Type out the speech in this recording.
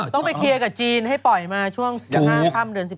ต้องไปเคลียร์กับจีนให้ปล่อยมาช่วง๑๕ค่ำเดือน๑๑